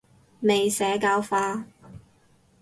未社教化